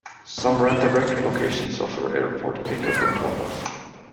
Some Rent-A-Wreck locations offer airport pick-up and drop off.